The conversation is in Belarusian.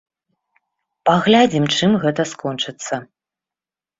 Паглядзім, чым гэта скончыцца.